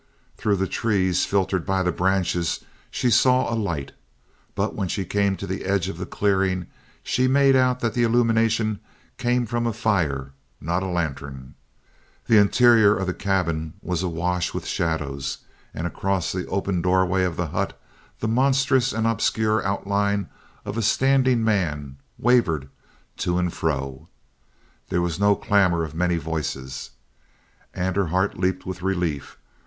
Through the trees, filtered by the branches, she saw a light. But when she came to the edge of the clearing she made out that the illumination came from a fire, not a lantern. The interior of the cabin was awash with shadows, and across the open doorway of the hut the monstrous and obscure outline of a standing man wavered to and fro. There was no clamor of many voices. And her heart leaped with relief.